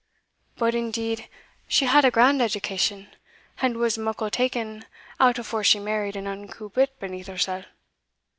But, indeed, she had a grand education, and was muckle taen out afore she married an unco bit beneath hersell.